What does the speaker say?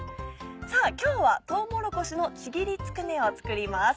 さぁ今日は「とうもろこしのちぎりつくね」を作ります。